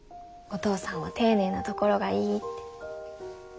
「お父さんは丁寧なところがいい」って。